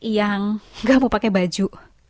yang gak mau pakai baju